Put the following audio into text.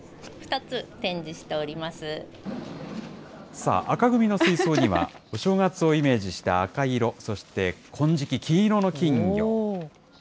さあ、紅組の水槽には、お正月をイメージした赤色、そして金色、金色の金魚。